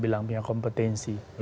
bila punya kompetensi